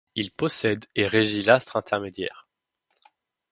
Il possède et régit l’astre — intermédiaire